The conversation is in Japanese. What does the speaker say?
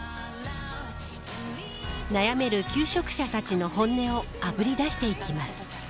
悩める求職者たちの本音をあぶり出していきます。